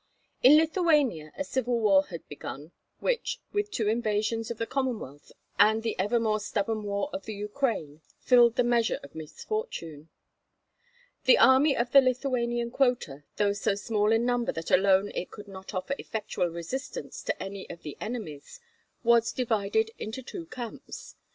In Lithuania a civil war had begun, which, with two invasions of the Commonwealth and the ever more stubborn war of the Ukraine, filled the measure of misfortune. The army of the Lithuanian quota, though so small in number that alone it could not offer effectual resistance to any of the enemies, was divided into two camps.